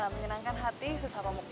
menyenangkan hati sesama mukmi